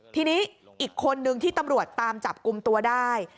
ทีนี้อีกคนนึงที่ตำรวจตามจับกลุ่มตัวได้